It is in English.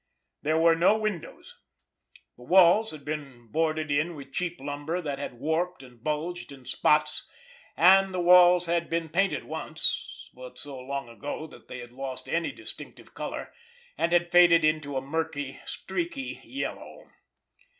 There were no windows. The walls had been boarded in with cheap lumber that had warped and bulged in spots, and the walls had been painted once—but so long ago that they had lost any distinctive color, and had faded into a murky, streaky yellow.